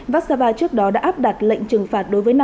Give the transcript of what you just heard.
vác sava trước đó đã áp đặt lệnh trừng phạt đối với nước này